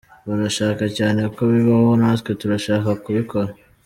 Barashaka cyane ko bibaho natwe turashaka kubikora.